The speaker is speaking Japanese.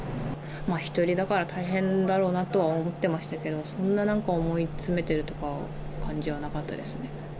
１人だから大変だろうなとは思ってましたけど、そんななんか思い詰めてるとか感じはなかったですね。